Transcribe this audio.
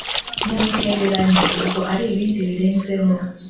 muntereranye ubwo ari ibindi birenzeho